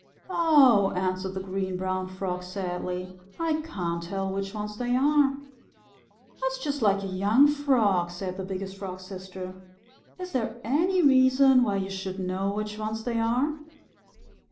"Oh," answered the Green Brown Frog sadly, "I can't tell which ones they are." "That's just like a young Frog," said the Biggest Frog's Sister. "Is there any reason why you should know which ones they are?